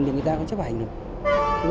thì người ta có chấp hành